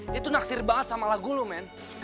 dia tuh naksir banget sama lagu lu men